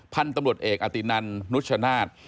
พันธุ์ตำรวจเอกอตินันนุชชนาธิ์